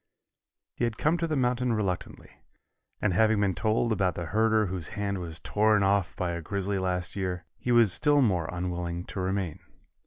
He had come to the mountain reluctantly, and having been told about the herder whose hand was torn off by a grizzly last year, he was still more unwilling to remain.